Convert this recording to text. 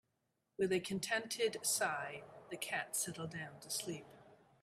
With a contented sigh, the cat settled down to sleep.